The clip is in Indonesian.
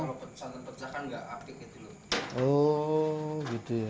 kalau santan pecah kan nggak apik gitu loh